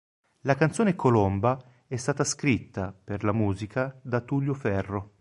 La canzone "Colomba" è stata scritta, per la musica, da Tullio Ferro.